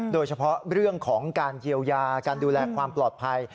โดยเฉพาะเรื่องของการเยียวยาการดูแลความปลอดภัย